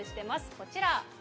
こちら。